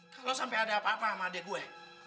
kalo sampe ada apa apa sama adek gue